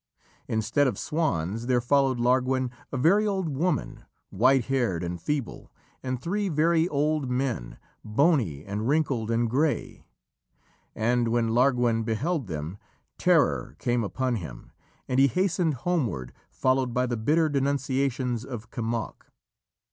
Instead of swans, there followed Larguen a very old woman, white haired and feeble, and three very old men, bony and wrinkled and grey. And when Larguen beheld them, terror came upon him and he hastened homeward, followed by the bitter denunciations of Kemoc.